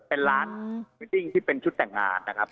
เป็นร้านมิติ้งที่เป็นชุดแต่งงานนะครับ